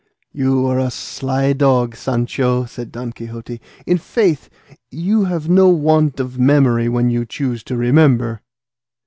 "You are a sly dog, Sancho," said Don Quixote; "i' faith, you have no want of memory when you choose to remember."